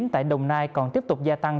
tại đồng nai còn tiếp tục gia tăng